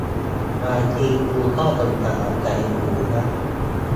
บางทีกูก็สงสารไก่อูนะ